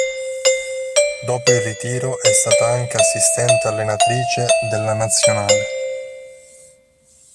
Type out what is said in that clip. Dopo il ritiro è stata anche assistente allenatrice della nazionale.